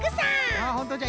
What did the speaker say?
ああほんとじゃ。